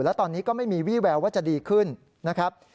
และตอนนี้ก็ไม่มีวี่แววว่าจะดีขึ้นนะครับ